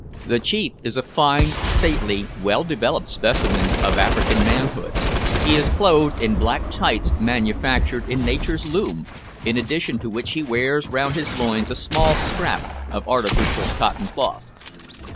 The chief is a fine, stately, well developed specimen of African manhood. He is clothed in black tights manufactured in nature's loom, in addition to which he wears round his loins a small scrap of artificial cotton cloth.